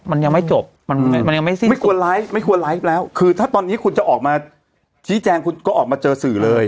มันยังไม่จบมันมันยังไม่สิ้นไม่ควรไลฟ์ไม่ควรไลฟ์แล้วคือถ้าตอนนี้คุณจะออกมาชี้แจงคุณก็ออกมาเจอสื่อเลย